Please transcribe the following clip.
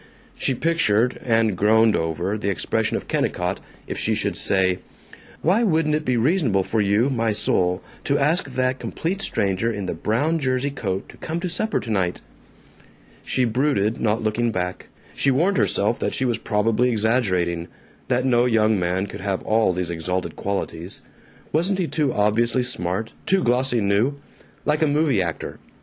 She pictured, and groaned over, the expression of Kennicott if she should say, "Why wouldn't it be reasonable for you, my soul, to ask that complete stranger in the brown jersey coat to come to supper tonight?" She brooded, not looking back. She warned herself that she was probably exaggerating; that no young man could have all these exalted qualities. Wasn't he too obviously smart, too glossy new? Like a movie actor.